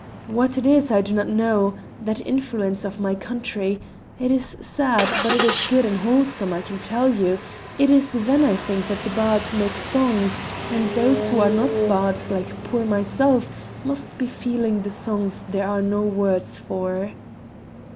What it is I do not know that influence of my country; it is sad, but it is good and wholesome, I can tell you; it is then I think that the bards make songs, and those who are not bards, like poor myself, must just be feeling the songs there are no words for."